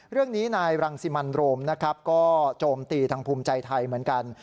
เรื่องนี้นายรังสิมันโรมนะครับก็โจมตีทางภูมิใจไทยเหมือนกัน